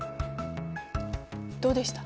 どうでした？